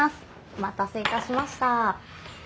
お待たせいたしました。